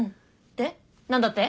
で何だって？